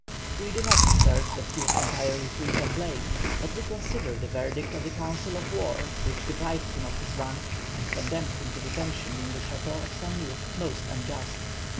We do not assert that he was entirely free from blame, but we consider the verdict of the council of war which deprived him of his rank, and condemned him to detention in the Château of Saumur, most unjust.